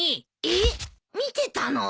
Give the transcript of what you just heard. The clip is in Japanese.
えっ見てたの？